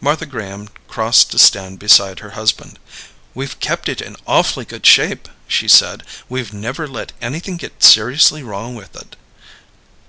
Martha Graham crossed to stand beside her husband. "We've kept it in awfully good shape," she said. "We've never let anything get seriously wrong with it."